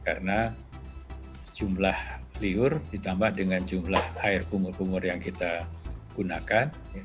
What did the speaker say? karena jumlah liur ditambah dengan jumlah air kumur kumur yang kita gunakan